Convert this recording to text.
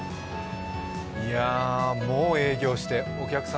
いやぁ、もう営業してお客さん